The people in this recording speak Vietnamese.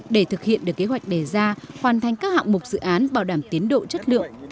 để thực hiện được kế hoạch đề ra hoàn thành các hạng mục dự án bảo đảm tiến độ chất lượng